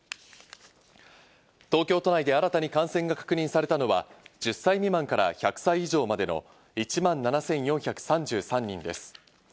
東京都内で新たに感染が確認されたのは、１０歳未満から１００歳以上までの１万７４３３人です。